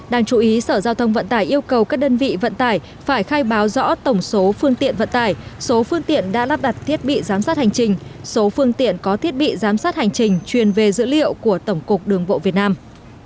đáng chú ý sở giao thông vận tải yêu cầu các đơn vị vận tải phải khai báo rõ tổng số phương tiện vận tải số phương tiện đã lắp đặt thiết bị giám sát hành trình số phương tiện có thiết bị giám sát hành trình truyền về dữ liệu của tổng cục đường bộ việt nam